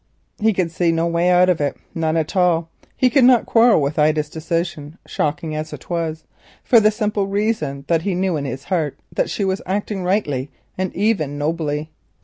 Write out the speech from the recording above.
He could see no way out of it, none at all. He could not quarrel with Ida's decision, shocking as it was, for the simple reason that he knew in his heart she was acting rightly and even nobly.